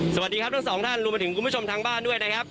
สวัสดีครับทั้งสองท่านรวมไปถึงคุณผู้ชมทางบ้านด้วยนะครับ